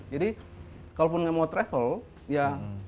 jadi kalaupun nggak mau travel ya